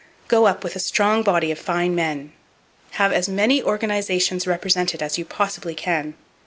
Go up with a strong body of fine men. Have as many organizations represented as you possibly can!